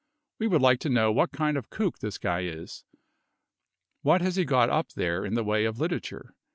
We would like to know what kind of kook this guy is. What has he got up there in the way of literature?